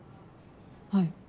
はい。